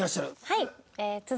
はい。